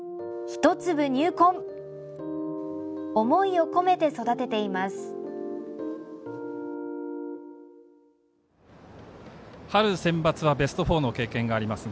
一粒入魂思いを込めて育てています。